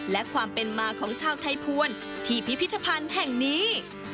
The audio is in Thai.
และความเป็นมาของชาวไทยภวรที่พิพิธภัณฑ์แห่งนี้